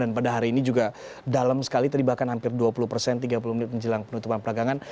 dan pada hari ini juga dalam sekali terlibatkan hampir dua puluh persen tiga puluh menit menjelang penutupan pelagangan